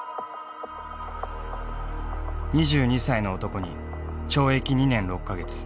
２２歳の男に懲役２年６か月。